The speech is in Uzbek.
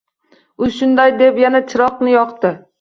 U shunday deb yana chiroqni yoqdi.